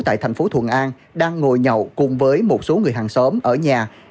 ở tp thuận an đang ngồi nhậu cùng với một số người hàng xóm ở nhà